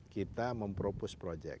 kita mempropos penyelidikan